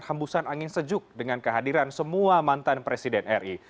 hembusan angin sejuk dengan kehadiran semua mantan presiden ri